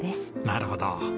なるほど。